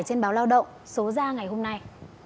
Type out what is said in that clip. trên báo lao động số ra ngày hôm nay